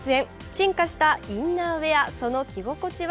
進化したインナーウエア、その着心地は。